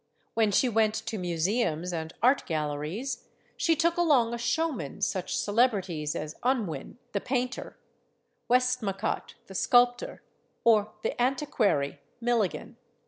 When she went to museums and art galleries, she took Along as showman such celebrities as Unwin, the pain ter, Westmacott, the sculptor, or the antiquary, Milli gan.